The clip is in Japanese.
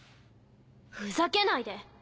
ふざけないで！